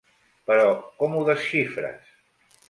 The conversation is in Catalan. Però como ho desxifres?